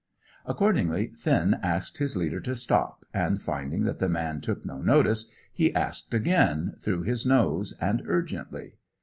Accordingly, Finn asked his leader to stop, and, finding that the man took no notice, he asked again, through his nose, and urgently.